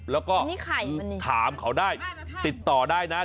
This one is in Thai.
แล้วก็ถามเขาได้ติดต่อได้นะมันนี่ใครงั้น่ะทุกคน